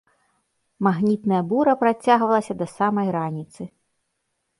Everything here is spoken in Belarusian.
Магнітная бура працягвалася да самай раніцы.